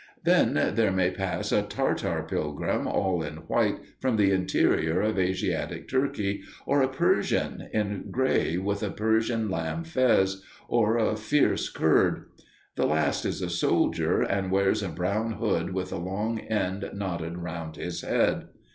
Then there may pass a Tartar pilgrim all in white from the interior of Asiatic Turkey, or a Persian in gray with a Persian lamb fez, or a fierce Kurd. The last is a soldier, and wears a brown hood with a long end knotted round his head.